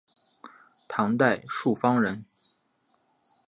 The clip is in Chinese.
唐代朔方人。